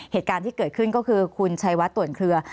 เหตุการณ์ที่เกิดขึ้นก็คือคุณชัยวัดต่วนเคลือ